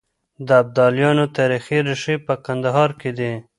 د ابدالیانو تاريخي ريښې په کندهار کې دي.